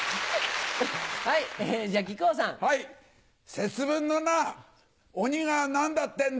節分のなぁ鬼が何だってんだ！